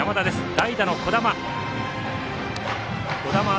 代打の児玉旭